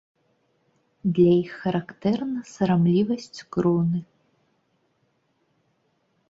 Для іх характэрна сарамлівасць кроны.